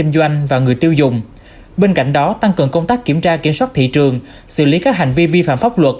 dùng bên cạnh đó tăng cường công tác kiểm tra kiểm soát thị trường xử lý các hành vi vi phạm pháp luật